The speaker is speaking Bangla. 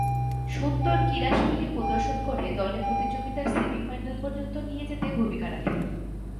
সুন্দর ক্রীড়াশৈলী প্রদর্শন করে দলে প্রতিযোগিতার সেমি-ফাইনাল পর্যন্ত নিয়ে যেতে ভূমিকা রাখেন।